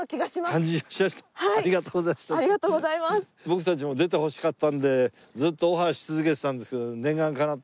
僕たちも出てほしかったのでずっとオファーし続けてたんですけど念願かなって。